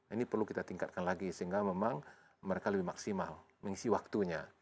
ini perlu kita tingkatkan lagi sehingga memang mereka lebih maksimal mengisi waktunya